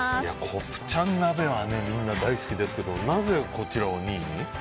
コプチャン鍋はみんな大好きですけどなぜ、こちらを２位に？